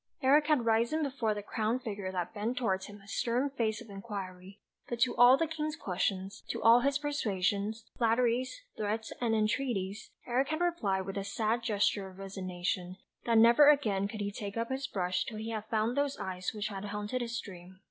Eric had risen before the crowned figure that bent towards him a stern face of inquiry, but to all the King's questions, to all his persuasions, flatteries, threats, and entreaties Eric had replied with a sad gesture of resignation, that never again could he take up his brush till he had found those eyes which had haunted his dream.